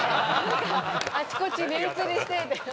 あちこち目移りして！みたいな。